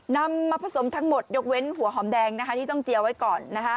นำมาผสมทั้งหมดยกเว้นหัวหอมแดงที่ต้องเจียวไว้ก่อน